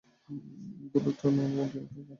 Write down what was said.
বন্দুকটা নাও, আর গ্রেনেডটা আমাকে দাও।